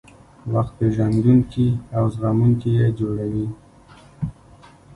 وخت پېژندونکي او زغموونکي یې جوړوي.